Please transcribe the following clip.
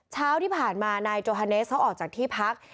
เช้าที่ผ่านมานายโจฮาเนสเขาออกจากที่พัก